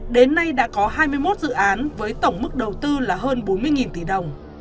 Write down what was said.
đến nay đã có hai mươi một dự án với tổng mức đầu tư là hơn bốn mươi tỷ đồng